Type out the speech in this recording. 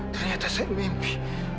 ternyata saya mimpi